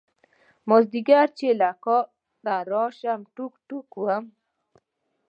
مازدیگر چې له کاره راشم ټوک ټوک وم.